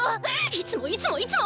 いつもいつもいつも